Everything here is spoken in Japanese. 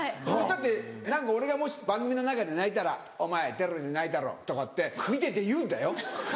だって何か俺がもし番組の中で泣いたら「お前テレビで泣いたろ」とかって見てて言うんだよ。